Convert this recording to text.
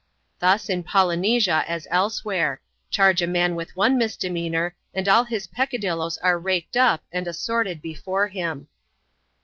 Thus, in Polynesia as elsewhere; — charge a man with one misdemeanor, and all his peccadilloes are raked up and assorted before him.